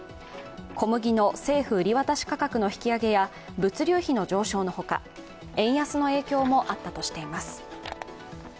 小麦の政府売り渡し価格の引き上げや物流費の上昇のほか円安の影響もあったとしています。